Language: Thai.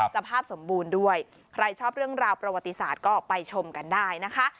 สภาพสมบูรณ์ด้วยใครชอบเรื่องราวประวัติศาสตร์ก็ไปชมกันได้นะคะ